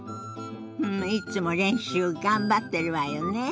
いつも練習頑張ってるわよね。